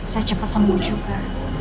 saya cepat sembuh juga